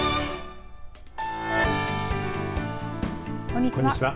こんにちは。